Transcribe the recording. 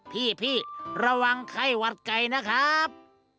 พี่ระวังไข้หวัดไก่นะครับ